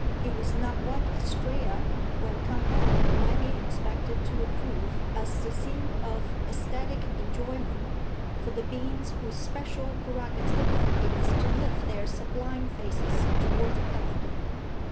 It was not what Astræa, when come back, might be expected to approve as the scene of ecstatic enjoyment for the beings whose special prerogative it is to lift their sublime faces toward heaven.